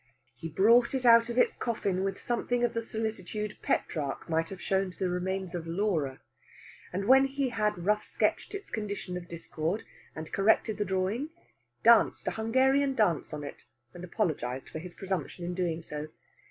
He brought it out of its coffin with something of the solicitude Petrarch might have shown to the remains of Laura, and when he had rough sketched its condition of discord and corrected the drawing, danced a Hungarian dance on it, and apologized for his presumption in doing so.